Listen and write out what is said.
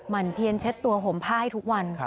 มันเพียนเช็ดตัวห่มผ้าให้ทุกวัน